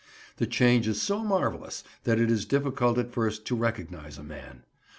The change is so marvellous that it is difficult at first to recognize a man.